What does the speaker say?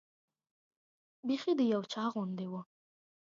بیخي د یو چا غوندې وه.